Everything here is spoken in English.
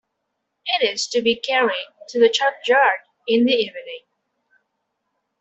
It is to be carried to the churchyard in the evening.